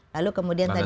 lalu kemudian tadi